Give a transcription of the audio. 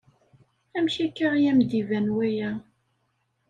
Amek akka i am-d-iban waya?